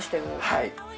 はい。